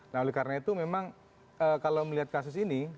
nah oleh karena itu memang kalau melihat kasus ini